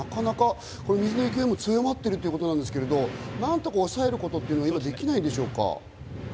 水の勢いも強まっているということなんですけれども、抑えることはできないんでしょうか？